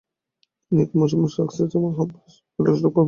তিনি একই মৌসুমে সাসেক্স ও হ্যাম্পশায়ারের পক্ষে খেলার সুযোগ লাভ করেন।